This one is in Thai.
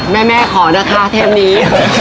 แม่ขอนะคะเทปนี้